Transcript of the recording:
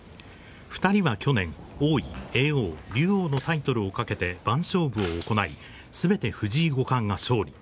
２人は去年、王位、叡王、竜王のタイトルをかけて番勝負を行い、すべて藤井五冠が勝利。